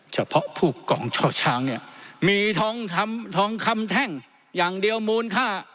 เฉพาะผู้กองช่อช้างเนี่ยมีทองคำทองคำแท่งอย่างเดียวมูลค่า